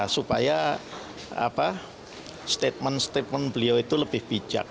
supaya statement statement beliau itu lebih bijak